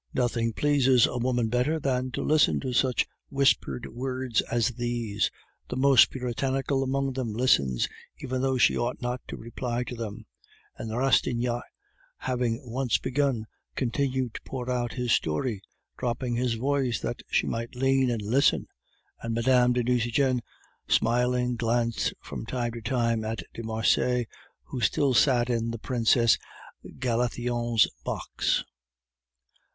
Nothing pleases a woman better than to listen to such whispered words as these; the most puritanical among them listens even when she ought not to reply to them; and Rastignac, having once begun, continued to pour out his story, dropping his voice, that she might lean and listen; and Mme. de Nucingen, smiling, glanced from time to time at de Marsay, who still sat in the Princesse Galathionne's box.